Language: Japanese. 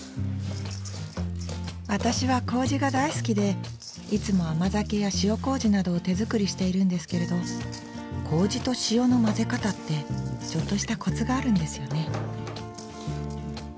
私は麹が大好きでいつも甘酒や塩麹などを手作りしているんですけれど麹と塩の混ぜ方ってちょっとしたコツがあるんですよね